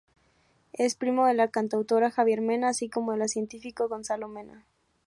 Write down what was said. Es primo de la cantautora Javiera Mena, así como del científico Gonzalo Mena.